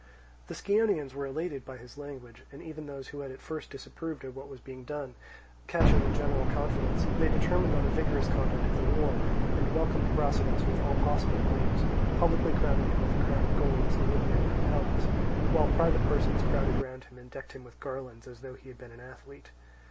The Scionaeans were elated by his language, and even those who had at first disapproved of what was being done catching the general confidence, they determined on a vigorous conduct of the war, and welcomed Brasidas with all possible honours, publicly crowning him with a crown of gold as the liberator of Hellas; while private persons crowded round him and decked him with garlands as though he had been an athlete.